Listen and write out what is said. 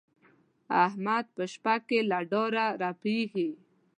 احمد په شپه کې له ډاره رپېږي.